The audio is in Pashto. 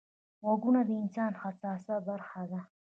غوږونه د انسان حساسه برخه ده